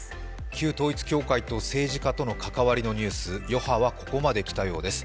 旧統一教会と政治家との関わりのニュース、余波はここまで来たようです。